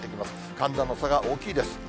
寒暖の差が大きいです。